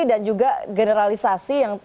dan juga generalisasi yang